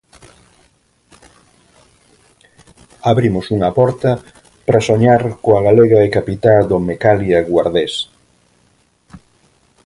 Abrimos unha porta para soñar coa galega e capitá do Mecalia Guardés.